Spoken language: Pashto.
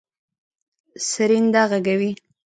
سرېنده غږوي.